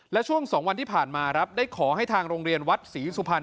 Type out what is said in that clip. และช่วง๒วันที่ผ่านมาครับได้ขอให้ทางโรงเรียนวัดศรีสุพรรณ